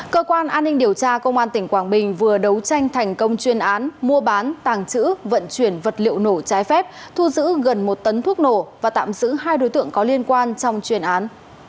cơ quan an ninh điều tra công an tỉnh quảng bình vừa đấu tranh thành công chuyên án mua bán tàng trữ vận chuyển vật liệu nổ trái phép thu giữ gần một tấn thuốc nổ và tạm giữ hai đối tượng có liên quan trong chuyên án